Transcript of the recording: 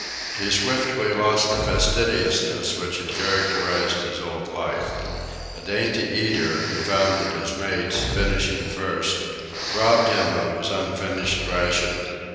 He swiftly lost the fastidiousness which had characterized his old life. A dainty eater, he found that his mates, finishing first, robbed him of his unfinished ration.